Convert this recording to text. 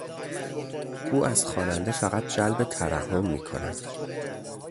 او از خواننده فقط جلب ترحم می کند.